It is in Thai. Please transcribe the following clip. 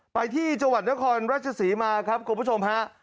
ไปที่จังหวัดนครราชศรีมาครับคุณผู้ชมฮะ